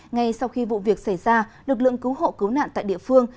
ngay sau khi vụ việc xảy ra lực lượng cứu hộ cứu nạn tại địa phương